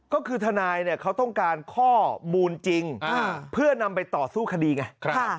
ก็คือทนายเขาต้องการข้อมูลจริงเพื่อนำไปต่อสู้คดีไง